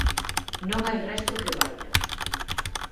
Non hai resto que valla.